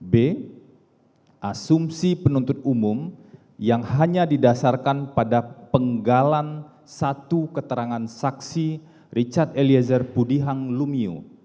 b asumsi penuntut umum yang hanya didasarkan pada penggalan satu keterangan saksi richard eliezer pudihang lumiu